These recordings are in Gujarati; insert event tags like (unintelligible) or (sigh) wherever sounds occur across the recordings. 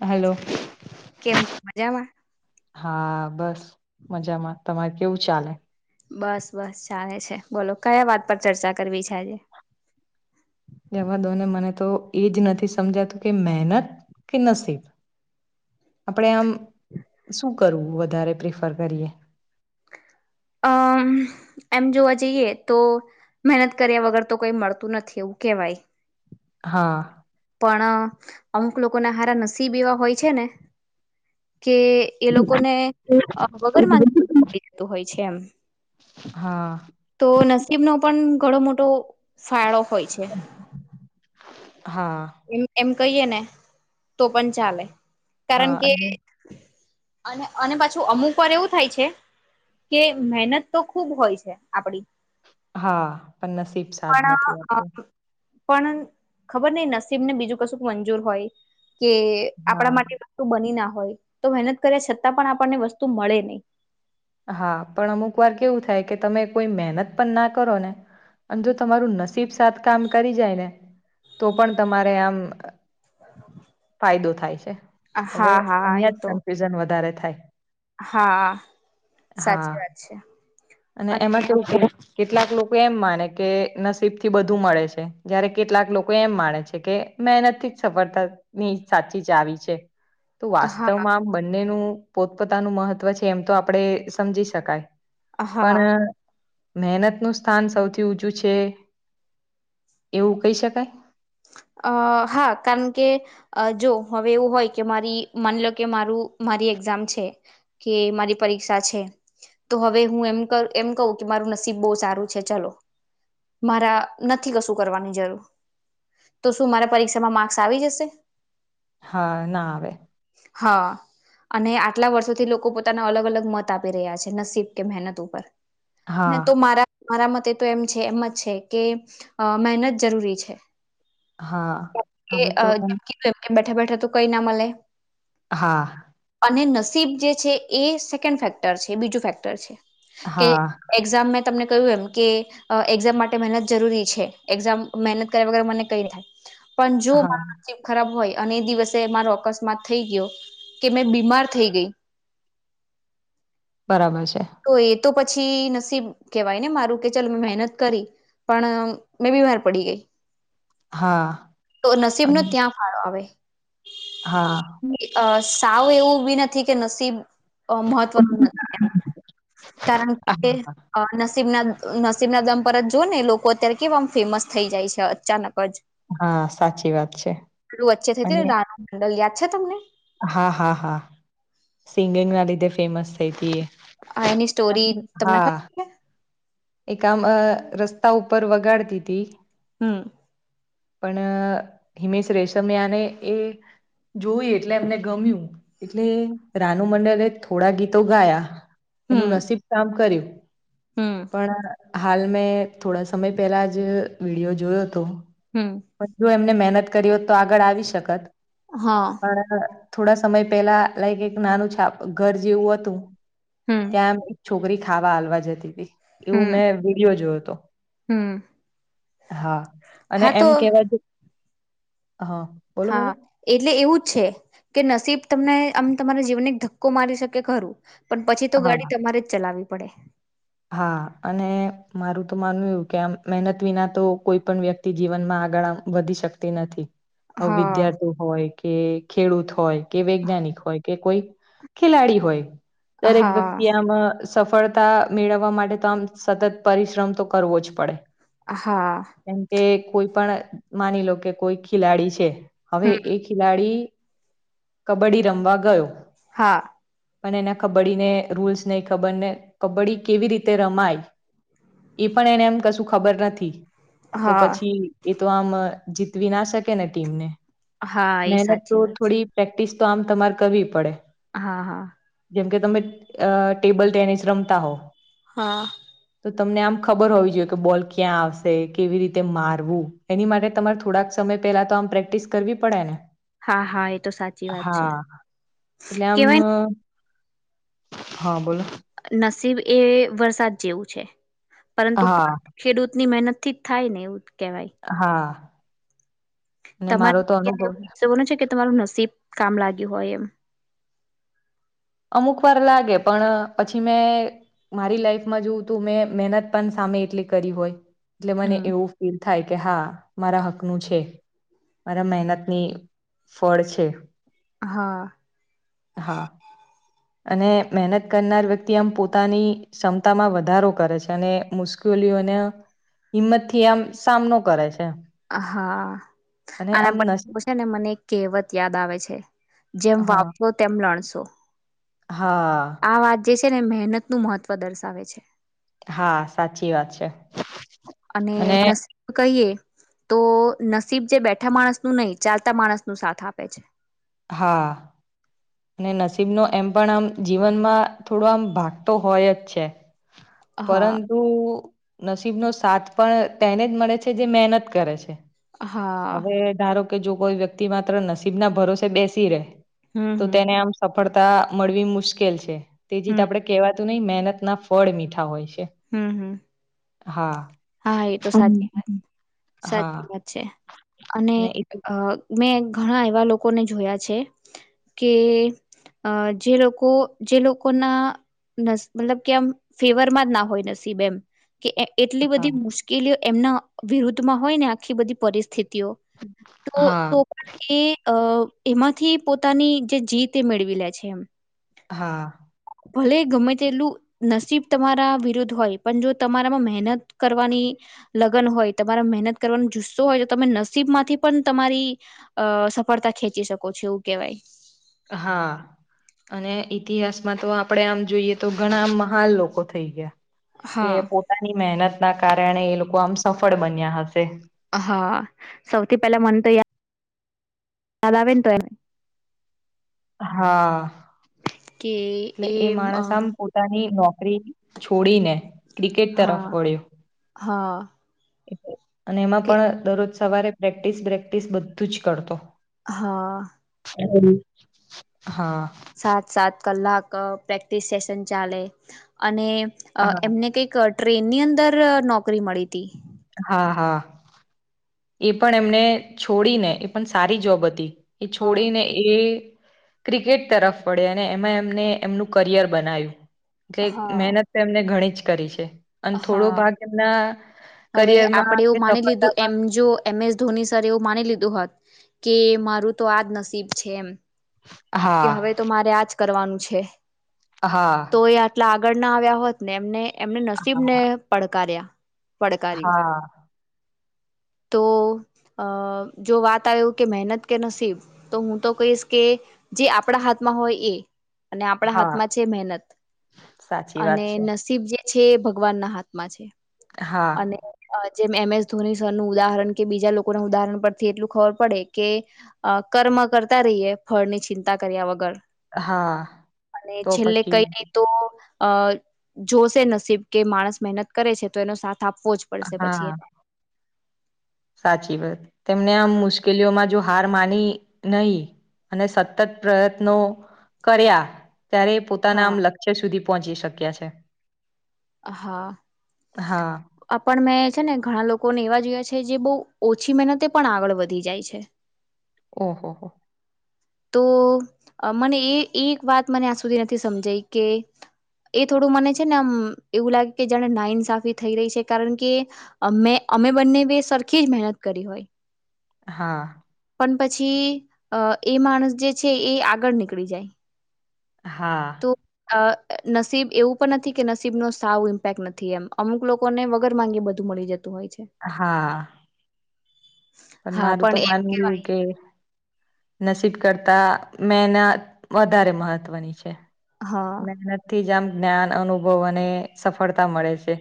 (inaudible) હાલો કેમ મજામાં હા બસ મજામાં તમારે કેવું ચાલે બસ બસ ચાલે છે બોલો કયા વાત પર ચર્ચા કરવી છે આજે જેમાં દોને મને તો એ જ નથી સમજાતું કે મહેનત કે નસીબ (inaudible) આપણે આમ શું કરવું વધારે પ્રિફર કરીએ અ એમ જોવા જઈએ તો મહેનત કર્યા વગર તો કઈ મળતું નથી એવું કે વાઈ હા પણ અમુક લોકોને હારા નસીબ એવા હોય છે ને કે એ લોકોને વગર માંગેે બધું મળી જતું હોય છે એમ હા તો નસીબ નો પણ ઘણો મોટો ફાળો હોય છે. હા એ એમ કહીએ ને તો પણ ચાલે કારણ હા કે અને અને અને પાછું અમુક વાર એવું થાય છે. કે મહેનત તો ખુબ હોય છે આપડી. હા પણ નસીબ સાદ નથી પણ આપતો. પણ ખબર નહીં નસીબ ને બીજું કશું મંજૂર હોય. કે હા આપણા માટે વસ્તુ બની ના હોય તો મહેનત કર્યા છતાં પણ આપણને વસ્તુ મળે નહી. હા પણ અમુક વાર કેવું થાય કે તમે કોઈ મહેનત પણ ના કરો ને અને જો તમારું નસીબ સાથ કામ કરી જાય ને તો પણ તમારે આમ એ તો થાય છે હવે હા હા એ અહીજ તો કફ્યુઝન વધારે થાય હા સાચી હા વાત છે અને એમાં કેવું કે કેટલાક લોકો એમ માને કે નસીબ થી બધું મળે છે જયારે કેટલાક લોકો એમ માને છે કે મહેનત થી જ સફળતા ની સાચી જ આવી છે તો હા વાસ્તવમાં આમ બંનેનું પોતપોતાનું મહત્વ છે એમ તો આપડે સમજી શકાય. હા. પણ મહેનત નું સ્થાન સૌથી ઊચું છે એવું કહી શકાય. (inaudible) અ હા કારણ કે જો હવે એવું હોય કે મારી માન લો કે મારું મારી એઝામ છે કે મારી પરીક્ષા છે. તો હવે હું એમ એમ કહું કે મારું નસીબ બહુ સારું છે ચલો. મારા નથી કશું કરવાની જરૂર. તો શું મારા પરીક્ષામાં માર્ક્સ આવી જશે? હા ના આવે. હા. અને આટલા વર્ષોથી લોકો પોતાના અલગ અલગ મત આપી રહ્યા છે નસીબ કે મહેનત ઉપર હા ના તો મારા મારા મતે તો એમ છે એમ જ છે કે મહેનત જરૂરી છે. હા હવે તો એમ જેમ બેઠા બેઠા તો કઈ ના મલે. હા. નસીબ જે છે એ સેન્ ફેક્ટર છે બીજું ફેક્ટર છે કે હા એક્ઝામ તમને કહ્યું એમ કે એક્ઝામ માટે મહેનત જરૂરી છે એક્ઝામ મહેનત કર્યા વગર મને કઈ થાય. પન જો હા નસીબ ખરાબ હોય. અને દિવસે મારો અકસ્માત થઈ ગયો કે મેં બીમાર થઈ ગઈ બરાબર છે. તો એ તો પછી નસીબ કેહેવાય ને મારું કે ચાલ મેં મહેનત કરી પણ મેં બીમાર પડી ગઈ. હા તો નસીબ અન નો ત્યાં ફાળો આવે. હા. અ સાવ એવું બી નથી કે નસીબ મહત્વનું નથી. કારણ કે નસીબના નસીબના દમ પરત જો ને લોકો અત્યારે કેમ ફેમસ થઈ જાય છે અચાનક જે હા સાચી વાત છે પેલુ વચ્ચે થઈ ને અને રાનુ મંડલ યાદ છે તમને હા હા હા સિંગિંગ ના લીધે ફેમસ થઈ હતી. એની સ્ટોરી તમને હા. ખબર છે એક આમ રસ્તા ઉપર વગાડતી હતી. હમ્મ. પણ હિમેશ રેશમિયાને એ જોય એટલે એમને ગમ્યું એટલે રાનુ મંડલે થોડા ગીતો ગાયા. હમ એનું નસીબ કામ કર્યું હમ પણ હાલ મેં થોડા સમય પહેલા જ વિડિયો જોયો હતો હમ પણ જો એમને મહેનત કરી હોત તો આગળ આવી શકત હા પણ થોડા સમય પેલા લાઈક એક નાનું છાપ ઘર જેવું હતું હમ ત્યામ છોકરી ખાવા હાલવા જતી હતી એવું હમ મેં વિડીયો જોયો હતો હમ હા અને હા તો એમ કેવાય હા એટલે એવું જ છે કે નસીબ તમને આમ તમારા જીવન એક ધક્કો મારી શકે ખરું પણ પછી તો ગાડી હા તમારે જ ચલાવી પડે હા અને મારું તો માનવું એવુ કે આમ મહેનત વિના તો કોઈ પણ વ્યક્તિ જીવનમાં આગળ વધી શકતી નથી હા વિદ્યાર્થી હોય કે ખેડૂત હોય કે વૈજ્ઞાનિક હોય કે કોઈ ખેલાડી હોય દરેક હા વ્યક્તિ આમાં સફળતા મેળવવા માટે તો આમ સતત પરિશ્રમ તો કરવો જ પડે હા કેમ કે કોઈ પણ માની લો કે કોઈ ખેલાડી છે હવે હમ એ ખેલાડી કબડ્ડી રમવા ગયો હા પણ એના કબડ્ડી ને રૂલ્સ નહી ખબર ને કબડ્ડી કેવી રીતે રમાય એ પણ એને એમ કશું ખબર નથી તો હા પછી એ તો આમ જીતવી ના શકે ને ટીમને હા એ મહેનત તો સાચી વાત છે થોડી પ્રેક્ટિસ તો આમ તમારે કરવી પડે હા હા જેમકે તમે અ ટેબલ ટેનિસ રમતા હો. હા. તમને આમ ખબર હોવી જોઈએ કે બોલ ક્યાં આવશે કેવી રીતે મારવું એની માટે તમારે થોડાક સમય. પેલા તો આમ પ્રેક્ટિસ કરવી પડે ને. હા હા એ તો સાચી વાત છે હા એટલે આમ. કેવાય હા બોલો. નસીબ એ વરસાદ જેવું છે પરંતુ હા ખેડૂતની મહેનત. ઠીક થાય ને એવું. કેવાય હા. અને મારો તો તમારે અનુભવ (unintelligible) છે કે તમારું નસીબ કામ લાગ્યું હોય એમ. અમુક વાર લાગે પણ પછી મેં. મારી લાઈફમાં જોવું તું મેં મહેનત પણ સામે એટલી કરી હોય. એટલે મને હમ એવું ફીલ થાય કે હા. મારા હકનું છે મારા મહેનતની ફળ છે. હા. હા. અને મહેનત કરનાર વ્યક્તિ આમ પોતાની ક્ષમતામાં વધારો કરે છે અને મુશ્કેલી. હિંમત થી આમ સામનો કરે છે. હા અને આના આમ નસ ઉપર છે ને મને કહેવત યાદ આવે છે. જેમ હા વાવશો તેમ લણશો. હા. આ વાત જે ને મહેનત નું મહત્વ દર્શાવે છે. હા સાચી વાત છે. અને નસીબ કહીએ. તો નસીબ જે બેઠા માણસ નું નહી ચાલતા માણસ નું સાથ આપે છે. હા. અને નસીબનો એમ પણ આમ જીવનમાં થોડો આમ ભાગતો હોય જ છે. હા પરંતુ નસીબનોો સાથ પણ તેને જ મળે છે જે મહેનત કરે છે. હા હવે ધારો કે જો કોઈ વ્યક્તિ માત્ર નસીબ ના ભરોસે બેસી રહેે હમ તો હમ તેને આમ સફળતા મળવી મુશ્કેલ છે. તેજી જ હમ આપડે કેવા નહી મહેનત ના ફળ મીઠા હોય છે. હમ હમ. હા. હા એ તો સાચી વાત હમ. હા સાચી વાત છે. અને મેં ઘણા એવા લોકોને જોયા છે કે અ જે લોકો લોકો જે લકાના મતલબ કે આમ ફેવરમાં જ ના હોય નસીબ એમ કે એટલી હા બધી મુશ્કેલીઓ એમના વિરુદ્ધમાં હોય ને આખી બધી પરિસ્થિતિ હા તો પણ એ એમાંથી પોતાની જે જીત એ મેળવી લે છે. હા. ભલે ગમે તેલું નસીબ તમારા વિરુદ્ધ હોય પણ જો તમારામાં મહેનત કરવાની લગ્ન હોય તમારા મહેનત કરવાનો જુસ્સો હોય તો તમે નસીબમાંથી પણ તમારી. અ સફળતા ખેંચી શકો છો એવું કેવાય. હા. અને ઈતિહાસમાં તો આપડે આમ જોઈએ તો ઘણા મહાન લોકો થઈ ગયા. કે હા પોતાની મહેનત ના કારણે એ લોકો આમ સફળ બન્યા હશે. હા સૌથી પહેલા મને તો યાર દદાવેન તો એમે (inaudible) હા કે એટલે એ માણસ આમ પોતાની નોકરી છોડીને ક્રિકેટ તરફ હા વળ્યો. હા. અને એમાં કે પણ દરરોજ સવારે પ્રેક્ટિસ બેક્ટિસ બધું જ કરતો. હા. હમ. હા સાત સાત કલાક પ્રેક્ટિસ સેશન ચાલે અને અ હા એમને કઈક ટ્રેન ની અંદર નોકરી મળી હતી. હા, હા એ પણ એમને છોડીને એ પણ સારી જોબ હતી. એ હા છોડેને એ ક્રિકેટ તરફ વડયા અને એમાં એમને એમનું કરિયર બનાવ્યું. એટલે હા મહેનત તો એમને ઘણી જ કરી છે. અને થોડો હા ભાગ એમના હવે કરિયરમાં આપણેે કે એવું માની લીધું સફળતામાં એમ જો એમ એસ ધોની સર એવું માની લીધું હોત કે મારું તો આજ નસીબ છે એમ કે હા હવે તો મારે આજ કરવાનું છે હા તો એ આટલા આગળ ના આવ્યા હોત ને એમને એમને નસીબ ને હા પડકાર્યા. પડકાર્યું હા. તો અ જો વાત આવે કે મહેનત કે નસીબ તો હું તો કહીશ કે જે આપણા હાથમાં હોય એ. અને આપણા હા હાથમાં છે મહેનત સાચી વાત અને છે નસીબ જે છે ભગવાન ના હાથમાં છે. હા અને જેમ એમ એસ ધોની સરનું ઉદાહરણ કે બીજા લોકોના ઉદાહરણ પરથી એટલું ખબર પડે કે કર્મ કૅમ કરતા રહીયએ ફળ ની ચિંતા કર્યા વગર હા અને તો છેલ્લે પછી કઈ નહી તો અ જોશે નસીબ કે માણસ મહેનત કરે છે તો એનો સાથ આપવો જ પડશે. પછી હા સાચી વાત તેમને આમ મુશ્કેલીઓમાં જો હાર માની નહી. અને સતત પ્રયત્નો કર્યા ત્યારે પોતાના હા આમ લક્ષ્ય સુધી પહોંચી શક્યા છે. હા હા આપણ મે છે ને ઘણા લોકોને એવા જોયા છે જે બહુ ઓછી મહેનતે પણ આગળ વધી જાય છે. ઓહ હો તો મને એ એક વાત મને આજ સુધી નથી સમજાઈ કે એ થોડું મને છે ને અમ એવું લાગે કે જાણે નાઇન્સાફી થઈ રહી છે કારણ કે મેં અમે બંને બે સરખી જ મહેનત કરી હોય. હા પણ પછી અ એ માણસ જે છે એ આગળ નીકળી જાય હા તો અ નસીબ એવું પણ નથી કે નસીબ નો સાવ ઇમ્પેક્ટ નથી એમ અમુક લોકોને વગર માંગે બધું મળી જત હા પણ હા મારું તો એમ માનવું એવું કેવાય કે નસીબ કરતા મહેનત વધારે મહત્વની છે હા મહેનતથી જ આમ જ્ઞાન અનુભવ અને સફળતા મળે છે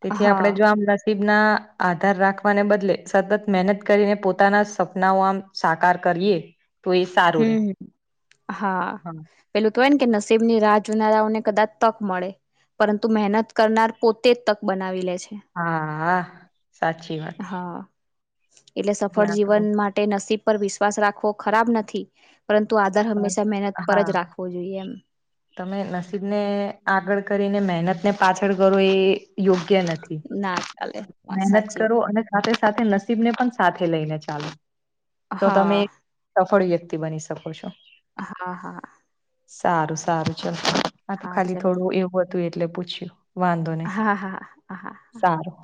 તેથી આપણે હા જોમ નસીબના આધાર રાખવાને બદલે સતત મહેનત કરીને પોતાના સપનાઓ આમ સાકાર કર કરીએ તો એ સારું રે હમ હા પેલું તો ને કે નસીબની રાહ જોનારાઓને કદાચ તક મળે પરંતુ મહેનત કરનાર પોતે જ તક બનાવી લે છે. હા હા સાચી વાત હા એટલે સફળ આ તો જીવન માટે નસીબ પર વિશ્વાસ રાખવો ખરાબ નથી. પરંતુ આધાર પણ હંમેશા મહેનત પર હા જ રાખવો જોઈએ એમ તમે નસીબને આગળ કરીને મહેનત ને પાછળ કરો એ યોગ્ય નથી ના ચાલે મહેનત સાચી કરો વાત. અને સાથે સાથે નસીબ ને પણ સાથે લઈને ચાલો હા મોટી વ્યક્તિ બની શકો છો. હા હા સારું સારું છે આ તો હા ખાલી ચલો થોડું એવું હતું એટલે પૂછ્યું વાંધો નહીં હા હા હા હા. સારું